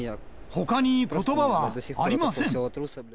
ほかにことばはありません。